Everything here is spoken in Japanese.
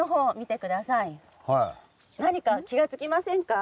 何か気が付きませんか？